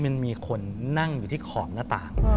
มันมีคนนั่งอยู่ที่ขอบหน้าต่าง